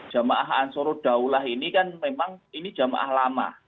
jamaah ansuru daulah ini kan memang ini jamaah lama